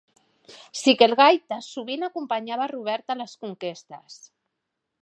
Sikelgaita sovint acompanyava Robert a les conquestes.